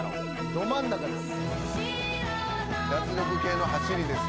ど真ん中です。